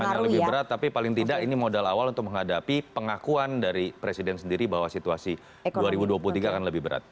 pertanyaannya lebih berat tapi paling tidak ini modal awal untuk menghadapi pengakuan dari presiden sendiri bahwa situasi dua ribu dua puluh tiga akan lebih berat